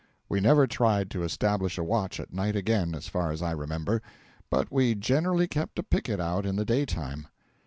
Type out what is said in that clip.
We never tried to establish a watch at night again, as far as I remember, but we generally kept a picket out in the daytime.